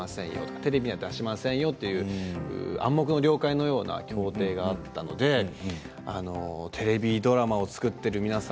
テレビに出しませんよという暗黙の了解のような協定があったのでテレビドラマを作っている皆さん